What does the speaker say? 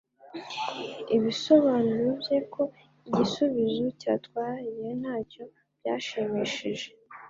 Ibisobanuro bye ko igisubizo cyatwara igihe ntacyo byashimishije.